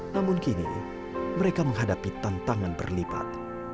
namun kini mereka menghadapi tantangan berlipat